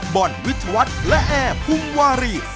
บอลวิทยาวัฒน์และแอร์พุมวารี